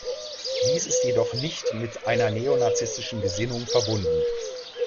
Dies ist jedoch nicht mit einer neonazistischen Gesinnung verbunden.